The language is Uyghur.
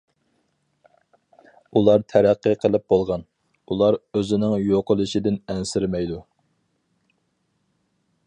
ئۇلار تەرەققىي قىلىپ بولغان، ئۇلار ئۆزىنىڭ يوقىلىشىدىن ئەنسىرىمەيدۇ.